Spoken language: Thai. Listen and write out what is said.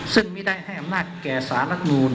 ซึ่งไม่ได้ให้อำนาจแก่สารรัฐมนูล